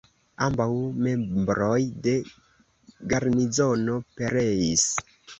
Ambaŭ membroj de garnizono pereis.